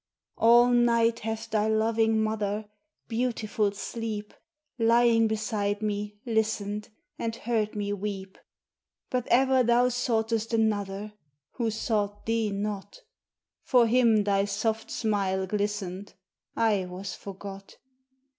III All night hath thy loving mother, Beautiful Sleep, Lying beside me, listened And heard me weep. But ever thou soughtest another Who sought thee not; For him thy soft smile glistened I was forgot.